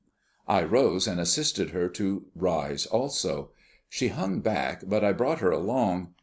I rose, and assisted her to rise also. She hung back, but I brought her along.